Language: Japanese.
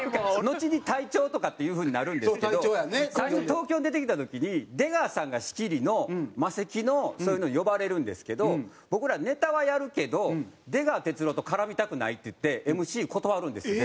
のちに隊長とかっていう風になるんですけど最初東京に出てきた時に出川さんが仕切りのマセキのそういうのに呼ばれるんですけど僕らネタはやるけど出川哲朗と絡みたくないって言ってＭＣ断るんですよ